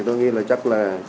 trong hồ sơ đấu thầu